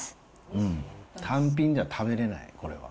うん、単品じゃ食べれない、これは。